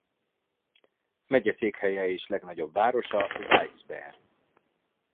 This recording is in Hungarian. Megyeszékhelye és legnagyobb városa Wilkes-Barre.